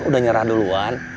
sudah mendarah duluan